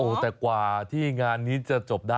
โอ้แต่กว่าที่งานนี้จะจบได้เล่นอาวุธนะครับ